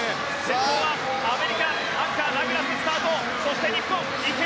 先頭はアメリカアンカーのダグラス、スタート。